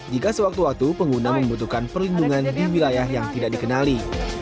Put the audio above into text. jika sewaktu waktu pengguna membutuhkan perlindungan di wilayah yang tidak dikenali